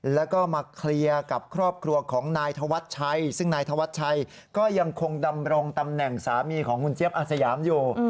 แล้วก็มาเคลียร์กับครอบครัวของนายธวัชชัยซึ่งนายธวัชชัยก็ยังคงดำรงตำแหน่งสามีของคุณเจี๊ยบอาสยามอยู่